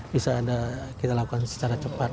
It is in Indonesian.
bisa ada kita lakukan secara cepat